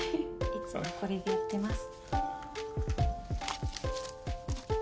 いつもこれでやってます。